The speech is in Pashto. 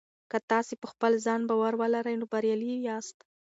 که تاسي په خپل ځان باور ولرئ نو بریالي یاست.